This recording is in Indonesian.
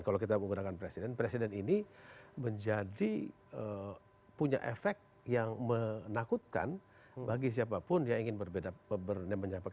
kalau kita menggunakan presiden presiden ini menjadi punya efek yang menakutkan bagi siapapun yang ingin berbeda